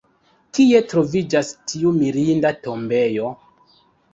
Kie troviĝas tiu mirinda tombejo?